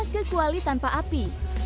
ke kuali tanpa api